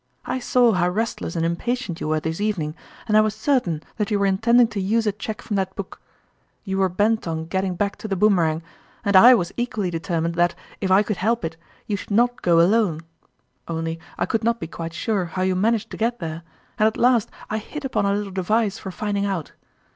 I saw how restless and impa tient you were this evening, and I was cer tain that you were intending to use a cheque from that book. You were bent on getting 134 fEonrmalin's ime back to the Boomerang, and I was equally determined that, if I could help it, you should not go alone. Only I could not be quite sure how you managed to get there, and at last I hit upon a little device for finding out.